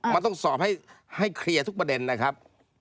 มันต้องสอบให้เคลียร์ทุกประเด็นนะครับ